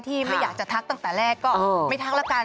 ไม่อยากจะทักตั้งแต่แรกก็ไม่ทักละกัน